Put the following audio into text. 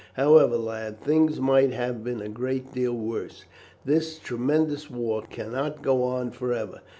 However, lad, things might have been a great deal worse. This tremendous war cannot go on for ever.